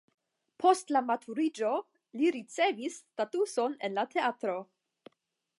Post la maturiĝo li ricevis statuson en la teatro.